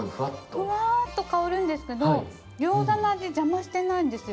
ふわっと香るんですけどギョーザの味邪魔してないんですよ。